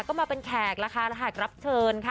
ก็มาเป็นแขกแล้วค่ะแขกรับเชิญค่ะ